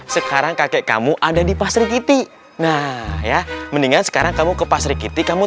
sekarang kakek kamu ada di pasri kiti nah ya mendingan sekarang kamu ke pasar kiti kamu